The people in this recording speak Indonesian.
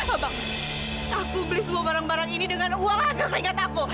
abang aku beli semua barang barang ini dengan uang ada seingat aku